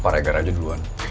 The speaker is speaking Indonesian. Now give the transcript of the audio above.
pak regar aja duluan